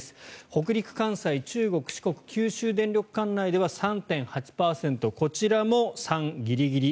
北陸、関西、中国、四国九州電力管内では３．８％こちらも３ギリギリ。